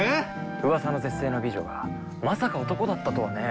うわさの絶世の美女がまさか男だったとはね。